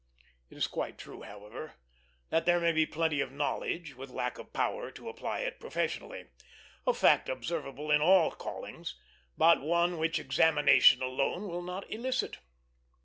It is quite true, however, that there may be plenty of knowledge with lack of power to apply it professionally a fact observable in all callings, but one which examination alone will not elicit.